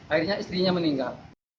akhirnya istrinya meninggal